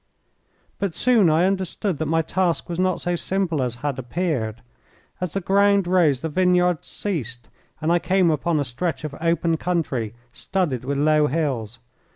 But soon I understood that my task was not so simple as had appeared. As the ground rose the vineyards ceased, and I came upon a stretch of open country studded with low hills.